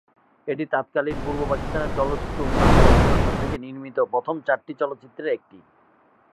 এটি তৎকালীন পূর্ব পাকিস্তান চলচ্চিত্র উন্নয়ন কর্পোরেশন থেকে নির্মিত প্রথম চারটি চলচ্চিত্রের একটি।